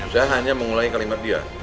saya hanya mengulangi kalimat dia